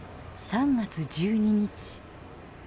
３月１２日。